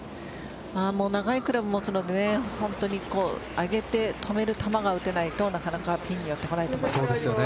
長いクラブ持つので上げて止める球が打てないとなかなかピンに寄ってこないと思います。